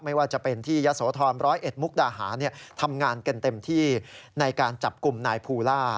ไม่ว่าจะเป็นที่ยะโสธร๑๐๑มุกดาหาทำงานกันเต็มที่ในการจับกลุ่มนายภูล่า